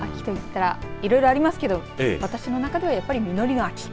秋といったらいろいろありますけど私の中では実りの秋。